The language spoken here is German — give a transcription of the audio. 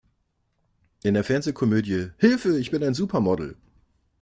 In der Fernsehkomödie "Hilfe, ich bin ein Supermodel!